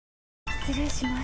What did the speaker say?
失礼します。